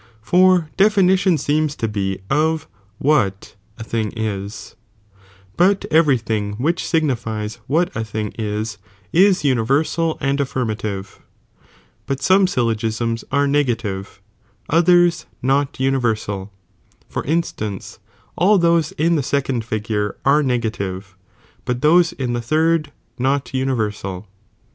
For definition seems to be of what a thing is, but every thing (which signifies) what a thing is, is universal and afiirmfltive, but some syllo gisms are negative, others not universal ; for instauce, all those in the second figure are negative, but those in the third not universal.